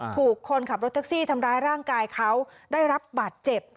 ถูกคนขับรถแท็กซี่ทำร้ายร่างกายเขาได้รับบาดเจ็บ